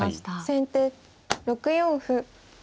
先手６四歩。